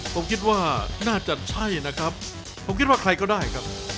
ผมคิดว่าน่าจะใช่นะครับผมคิดว่าใครก็ได้ครับ